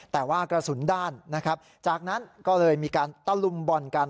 แต่ว่ากระสุนด้านนะครับจากนั้นก็เลยมีการตะลุมบ่อนกัน